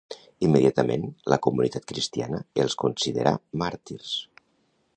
Immediatament, la comunitat cristiana els considerà màrtirs.